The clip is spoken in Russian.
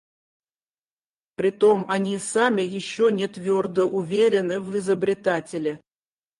Притом они сами еще не твердо уверены в изобретателе.